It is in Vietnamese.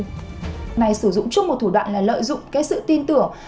hôm nay sử dụng chung một thủ đoạn là lợi dụng cái sự tin tưởng